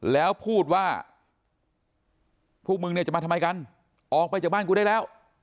แล้วพูดว่าพวกมึงเนี่ยจะมาทำไมกันออกไปจากบ้านกูได้แล้ว